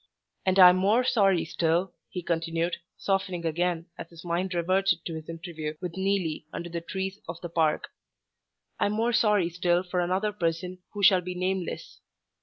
And I'm more sorry still," he continued, softening again as his mind reverted to his interview with Neelie under the trees of the park "I'm more sorry still for another person who shall be nameless.